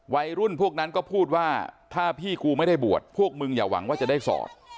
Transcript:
วัยรุ่นพวกนั้นก็พูดว่าถ้าพี่กูไม่ได้บวชพวกมึงอย่าหวังว่าจะได้สอด